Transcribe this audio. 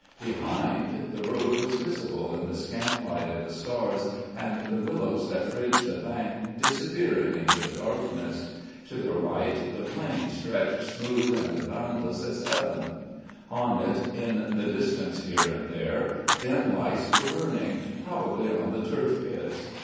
Behind the road was visible in the scant light of the stars and the willows that fringed the bank disappearing into the darkness. To the right the plain stretched smooth and boundless as heaven. On it in the distance here and there dim lights were burning, probably on the turf pits.